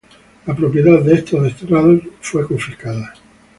La propiedad de estos desterrados fue confiscada.